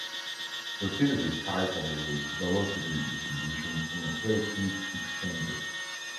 The thesis title was "Velocity distributions in a plate heat exchanger".